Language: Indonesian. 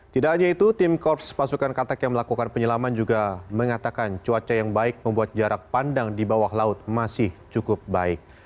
tidak hanya itu tim korps pasukan katak yang melakukan penyelaman juga mengatakan cuaca yang baik membuat jarak pandang di bawah laut masih cukup baik